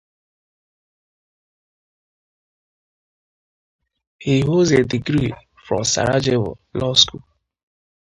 He holds a degree from Sarajevo Law School.